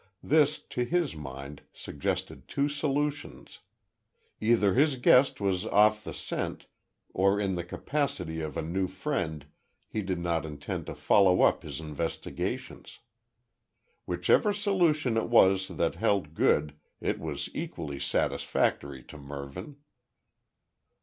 This, to his mind, suggested two solutions. Either his guest was off the scent, or, in the capacity of a new friend he did not intend to follow up his investigations. Whichever solution it was that held good it was equally satisfactory to Mervyn.